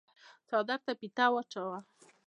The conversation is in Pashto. څادر ته فيته واچوه۔